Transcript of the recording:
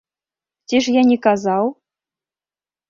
Ці ж я не казаў?